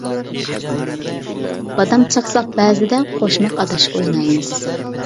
بادام چاقساق بەزىدە، قوشماق ئاداش ئوينايمىز.